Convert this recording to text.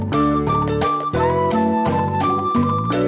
kamu mau berangkat kuliah